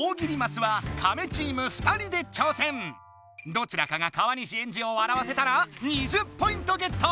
どちらかが川西エンジをわらわせたら２０ポイントゲット！